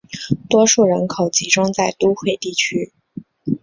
多数人口集中在都会地区。